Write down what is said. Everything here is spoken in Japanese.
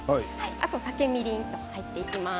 あと、酒、みりんと入っていきます。